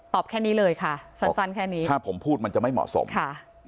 แค่นี้เลยค่ะสั้นสั้นแค่นี้ถ้าผมพูดมันจะไม่เหมาะสมค่ะ